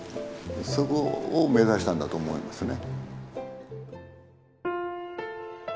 そこを目指したんだと思いますね。